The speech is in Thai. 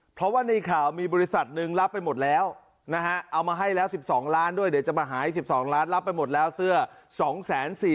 เพราะว่าในข่าวมีบริษัทหนึ่งรับไปหมดแล้วนะฮะเอามาให้แล้ว๑๒ล้านด้วยเดี๋ยวจะมาหาย๑๒ล้านรับไปหมดแล้วเสื้อ๒๔๐๐